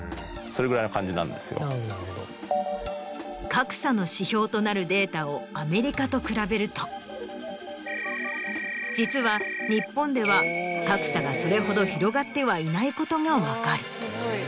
格差の指標となるデータをアメリカと比べると実は日本では格差がそれほど広がってはいないことが分かる。